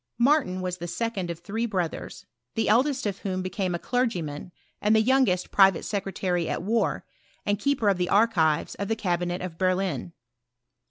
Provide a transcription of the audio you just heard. Martin was the second of three brothers, the eldest of whom became a clergyman, and the youngest private secretary at war, and keeper of the archives of the cabinet of Berlin.